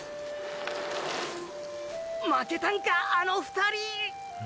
負けたんかあの２人。